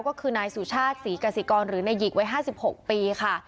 ก็คือนายสุชาติศรีกสิกรหรือนายหิกวัย๕๖ปีค่ะ